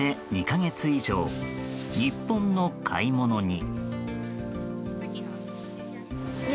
避難して２か月以上日本の買い物に。